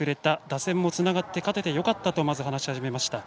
打線もつながって勝ててよかったとまず話し始めました。